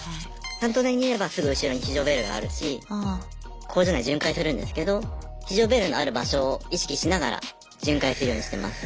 担当台にいればすぐ後ろに非常ベルがあるし工場内巡回するんですけど非常ベルのある場所を意識しながら巡回するようにしてます。